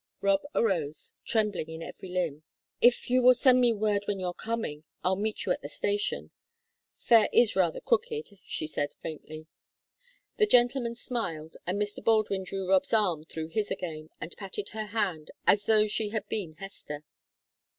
Rob arose, trembling in every limb. "If you will send me word when you're coming, I'll meet you at the station; Fayre is rather crooked," she said, faintly. The gentlemen smiled, and Mr. Baldwin drew Rob's arm through his again, and patted her hand as though she had been Hester.